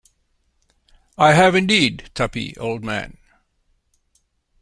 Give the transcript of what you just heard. I have, indeed, Tuppy, old man.